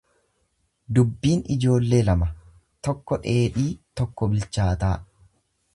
Dubbiin ijoollee lama, tokko dheedhii tokko bilchaataa.